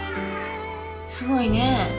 すごいね。